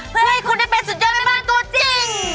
เพื่อให้คุณได้เป็นสุดยอดแม่บ้านตัวจริง